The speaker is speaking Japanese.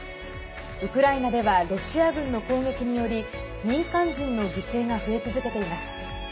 ウクライナではロシア軍の攻撃により民間人の犠牲が増え続けています。